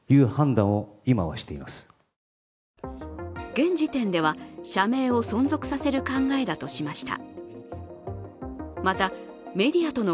現時点では社名を存続させる考えだとしました。